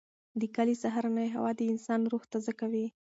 د کلي سهارنۍ هوا د انسان روح تازه کوي.